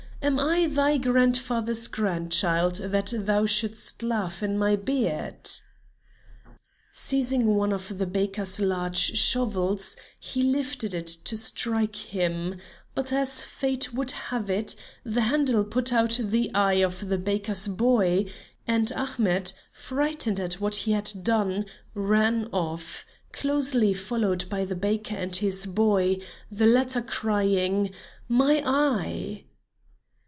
Am I thy grandfather's grandchild that thou shouldst laugh in my beard?" Seizing one of the baker's large shovels, he lifted it to strike him, but, as fate would have it, the handle put out the eye of the baker's boy, and Ahmet, frightened at what he had done, ran off, closely followed by the baker and his boy, the latter crying: "My eye!"